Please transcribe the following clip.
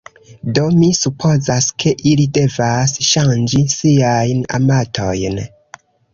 Do, mi supozas ke ili devas ŝanĝi siajn amatojn.